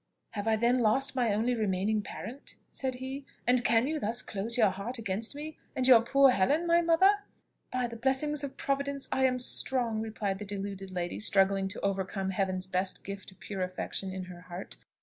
"Have I then lost my only remaining parent?" said he. "And can you thus close your heart against me, and your poor Helen, my mother?" "By the blessing of providence I am strong," replied the deluded lady, struggling to overcome Heaven's best gift of pure affection in her heart.